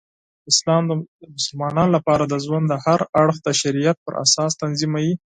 اسلام د مسلمانانو لپاره د ژوند هر اړخ د شریعت پراساس تنظیموي.